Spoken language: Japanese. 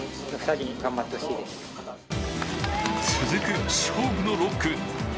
続く勝負の６区。